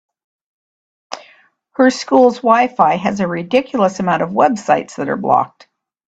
Her school’s WiFi has a ridiculous amount of websites that are blocked.